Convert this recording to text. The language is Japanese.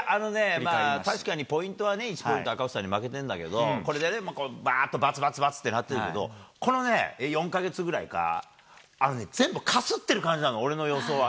確かにポイントはね、１ポイント、赤星さんに負けてんだけど、これでね、ばーっと×××ってなってるけど、この４か月ぐらいからあのね、全部かすってる感じなの、俺の予想は。